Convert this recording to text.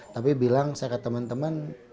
tapi bilang saya ke teman teman